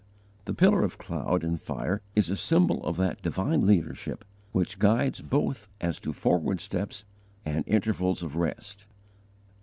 "_ The pillar of cloud and fire is a symbol of that divine leadership which guides both as to forward steps and intervals of rest.